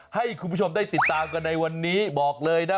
ให้คุณผู้ชมได้ติดตามกันในวันนี้บอกเลยนะ